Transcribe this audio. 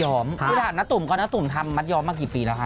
ถามน้าตุ่มก่อนน้าตุ๋มทำมัดย้อมมากี่ปีแล้วคะ